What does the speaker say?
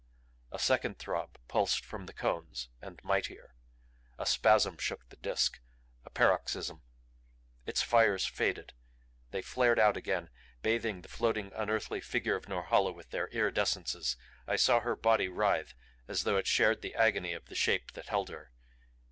A second throb pulsed from the cones, and mightier. A spasm shook the Disk a paroxysm. Its fires faded; they flared out again, bathing the floating, unearthly figure of Norhala with their iridescences. I saw her body writhe as though it shared the agony of the Shape that held her.